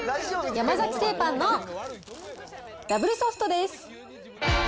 山崎製パンのダブルソフトです。